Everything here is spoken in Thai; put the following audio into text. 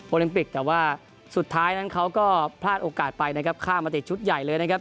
ลิมปิกแต่ว่าสุดท้ายนั้นเขาก็พลาดโอกาสไปนะครับข้ามมาติดชุดใหญ่เลยนะครับ